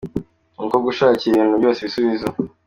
Ni umukobwa ushakira ibintu byose ibisubizo.